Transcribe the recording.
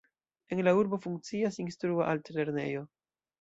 En la urbo funkcias Instrua Altlernejo.